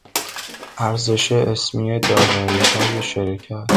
ارزش اسمی داراییهای شرکت